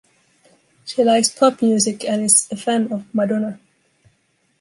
She likes pop music and is a fan of Madonna.